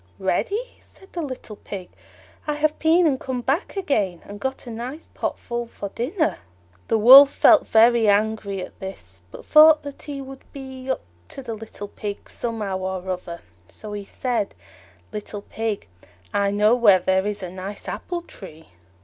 "Ready!" said the little Pig, "I have been and come back again, and got a nice pot full for dinner." The Wolf felt very angry at this, but thought that he would be up to the little Pig somehow or other; so he said, "Little Pig, I know where there is a nice apple tree."